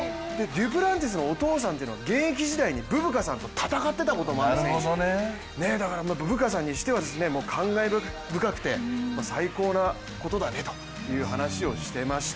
デュプランティスのお父さんは現役時代にブブカさんと戦っていたこともある選手、だからブブカさんにしてはもう感慨深くて最高なことだねという話をしてました。